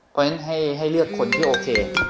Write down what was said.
เพราะฉะนั้นให้เลือกคนที่โอเค